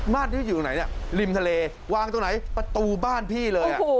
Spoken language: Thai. บ้านที่อยู่ไหนริมทะเลวางตรงไหนประตูบ้านพี่เลย